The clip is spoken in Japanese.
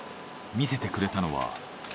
見せてくれたのは。